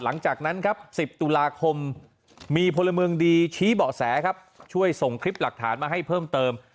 หลังจากนั้นครับ๑๐ตุลาคมมีพลเมืองดีชี้เบาะแสครับช่วยส่งคลิปหลักฐานมาให้เพิ่มเติม